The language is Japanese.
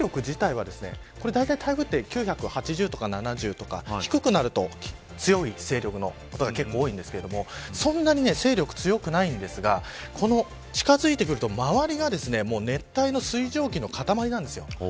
何が違うかというと、勢力自体はだいたい台風は９８０とか９７０とか低くなると強い勢力のことが多いんですがそんなに勢力は強くないんですが近づいてくると周りが熱帯の水蒸気の塊なんです。